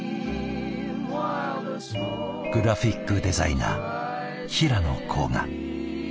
グラフィックデザイナー平野甲賀。